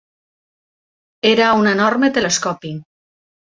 Era un enorme telescopi